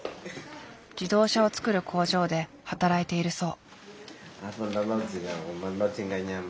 自動車を作る工場で働いているそう。